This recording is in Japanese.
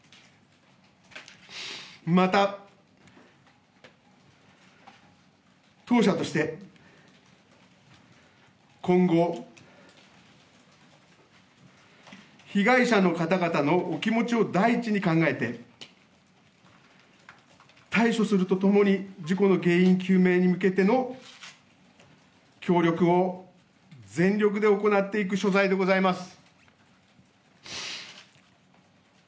また、当社として、今後、被害者の方々のお気持ちを第一に考えて、対処するとともに、事故の原因究明に向けての協力を全力で行っていく所在でございます。